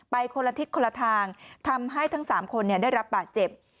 คนละทิศคนละทางทำให้ทั้ง๓คนได้รับบาดเจ็บ